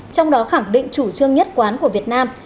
trong đó khẳng định chủ trương nhất quán của việt nam